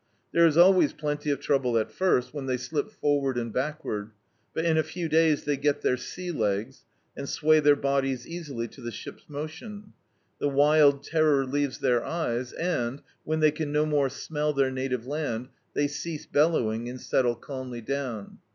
There is always plenty of trouble at first, when they slip for ward and backward, but in a few days they get their sea Ie^ and sway their bodies easily to the ship's motion. The wild terror leaves their eyes, and, when they can no more smell ^eir native land, they cease bellowing and settle calmly down.